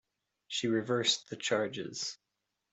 She reversed the charges.